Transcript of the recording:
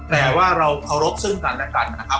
แต่ว่าเราเคารพซึ่งกันและกันนะครับ